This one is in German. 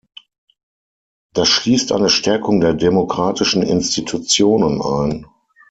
Das schließt eine Stärkung der demokratischen Institutionen ein.